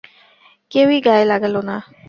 কেউই গায়ে লাগালো না।